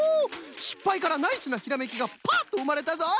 しっぱいからナイスなひらめきがパッとうまれたぞい！